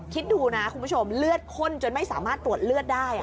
คิดดูนะคุณผู้ชมเลือดข้นจนไม่สามารถตรวจเลือดได้